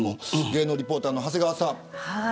芸能リポーターの長谷川さん。